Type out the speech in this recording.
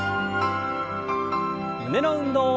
胸の運動。